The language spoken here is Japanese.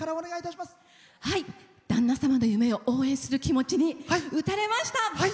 旦那様の夢を応援する気持ちに打たれました。